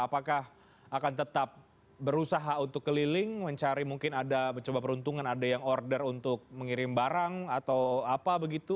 apakah akan tetap berusaha untuk keliling mencari mungkin ada mencoba peruntungan ada yang order untuk mengirim barang atau apa begitu